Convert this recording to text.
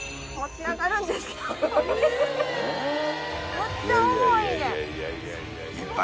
めっちゃ重いねん。